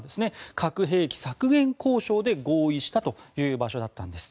核兵器削減交渉で合意したという場所だったんです。